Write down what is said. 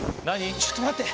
ちょっと待って！